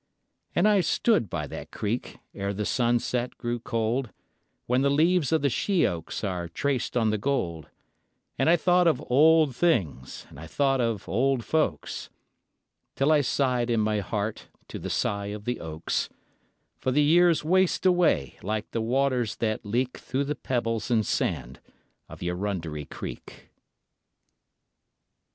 And I stood by that creek, ere the sunset grew cold, When the leaves of the sheoaks are traced on the gold, And I thought of old things, and I thought of old folks, Till I sighed in my heart to the sigh of the oaks; For the years waste away like the waters that leak Through the pebbles and sand of Eurunderee Creek.